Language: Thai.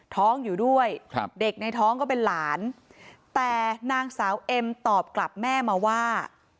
ท้องอยู่ด้วยครับเด็กในท้องก็เป็นหลานแต่นางสาวเอ็มตอบกลับแม่มาว่า